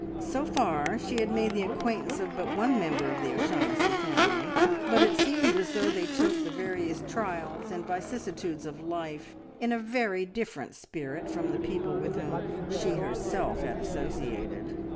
So far she had made the acquaintance of but one member of the O'Shaughnessy family, but it seemed as though they took the various trials and vicissitudes of life in a very different spirit from the people with whom she herself had associated.